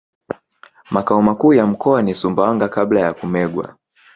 Makao makuu ya mkoa ni Sumbawanga Kabla ya kumegwa